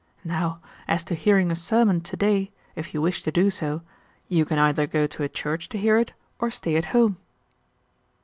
Now, as to hearing a sermon to day, if you wish to do so, you can either go to a church to hear it or stay at home."